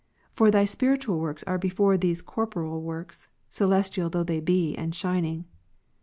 For Thy spiritual works are before these corporeal works, celestial though they be, and shining.